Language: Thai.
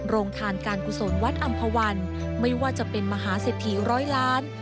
โรงทานการกุศลวัดอำภาวันไม่ว่าจะเป็นมหาเศรษฐีร้อยล้าน